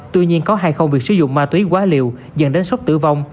tuy nhiên có hai không việc sử dụng ma túy quá liều dần đến sốc tử vong